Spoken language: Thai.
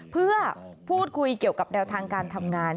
เพื่อพูดคุยเกี่ยวกับแนวทางการทำงาน